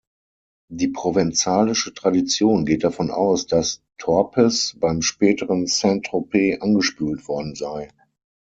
Die provenzalische Tradition geht davon aus, dass Torpes beim späteren Saint-Tropez angespült worden sei.